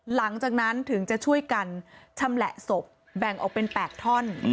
หลังจากนั้นถึงจะช่วยกันชำแหละศพแบ่งออกเป็น๘ท่อน